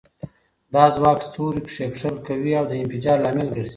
دا ځواک ستوري کښیکښل کوي او د انفجار لامل ګرځي.